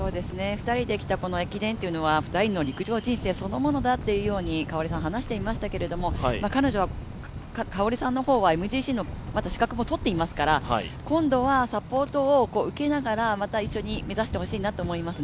２人で来た駅伝というのは２人の陸上人生そのものだと香織さん、話していましたけど、彼女、香織さんの方はＭＧＣの資格も取ってますから今度はサポートを受けながら、また一緒に目指してほしいなと思います。